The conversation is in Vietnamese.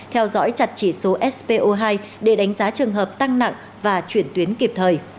theo dõi chặt chỉ số spo hai để đánh giá trường hợp tăng nặng và chuyển tuyến kịp thời